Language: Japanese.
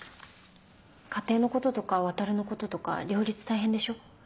家庭のこととか航のこととか両立大変でしょ？